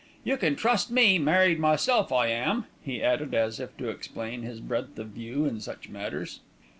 You can trust me, married myself I am," he added as if to explain his breadth of view in such matters.